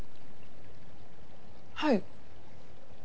はい。